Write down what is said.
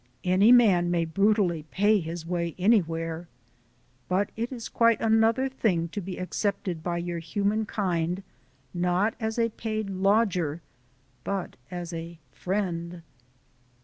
Any man may brutally pay his way anywhere, but it is quite another thing to be accepted by your humankind not as a paid lodger but as a friend.